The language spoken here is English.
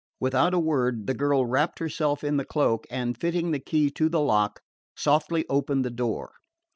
Without a word the girl wrapped herself in the cloak and, fitting the key to the lock, softly opened the door.